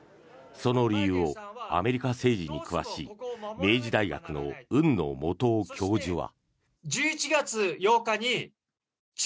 その理由をアメリカ政治に詳しい明治大学の海野素央教授は。